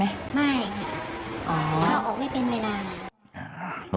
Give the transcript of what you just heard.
ไม่ค่ะเข้าออกไม่เป็นเวลา